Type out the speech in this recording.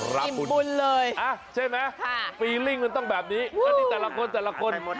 รับคุณใช่ไหมฟีลิ่งมันต้องแบบนี้แต่ที่แต่ละคน